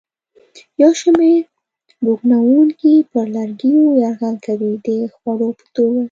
یو شمېر پوپنکي پر لرګیو یرغل کوي د خوړو په توګه.